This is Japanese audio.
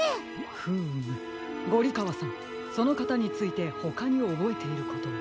フームゴリかわさんそのかたについてほかにおぼえていることは？